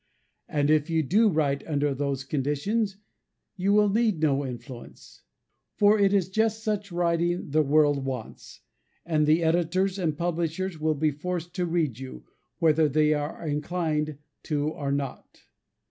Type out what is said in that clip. And if you do write under those conditions, you will need no influence: for it is just such writing the world wants; and the editors and publishers will be forced to read you, whether they are inclined to or not.